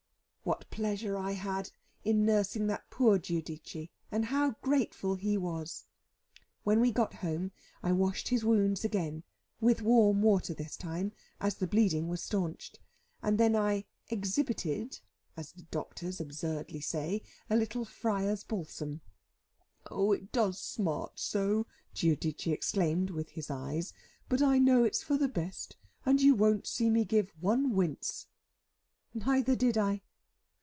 What pleasure I had in nursing that poor Giudice, and how grateful he was! When we got home, I washed his wounds again, with warm water this time, as the bleeding was stanched; and then I "exhibited" (as the doctors absurdly say) a little friar's balsam. "Oh, it does smart so!" Giudice exclaimed with his eyes, "but I know it's for the best, and you won't see me give one wince." Neither did I.